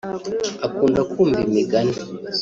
Akunda kumva imigani